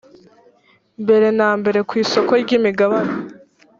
mbere na mbere ku isoko ry’imigabane